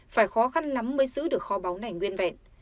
phải khó khăn lắm mới giữ được kho báu này nguyên vẹn